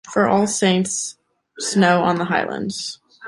For All Saints, snow on the highlands.